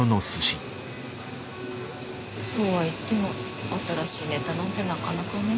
そうはいっても新しいネタなんてなかなかねぇ。